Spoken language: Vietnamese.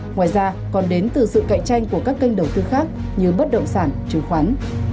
ngoài ra còn đến từ sự cạnh tranh của các kênh đầu tư khác như bất động sản chứng khoán